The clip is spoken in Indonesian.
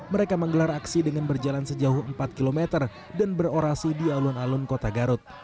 mereka menggelar aksi dengan berjalan sejauh empat km dan berorasi di alun alun kota garut